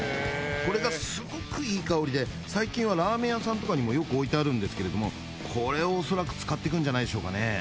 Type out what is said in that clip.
これがすごくいい香りで最近はラーメン屋さんとかにもよく置いてあるんですけれどもこれを恐らく使ってくんじゃないでしょうかね